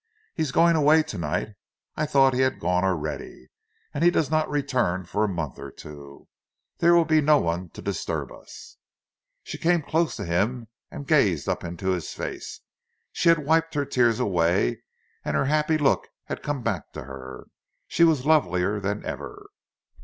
He is going away to night—I thought he had gone already. And he does not return for a month or two. There will be no one to disturb us again." She came close to him and gazed up into his face. She had wiped her tears away, and her happy look had come back to her; she was lovelier than ever.